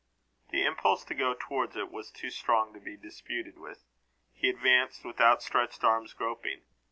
The impulse to go towards it was too strong to be disputed with. He advanced with outstretched arms, groping.